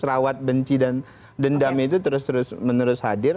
rawat benci dan dendam itu terus terus menerus hadir